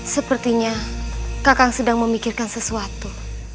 sepertinya kakang sedang memikirkan sesuatu